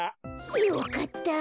よかった。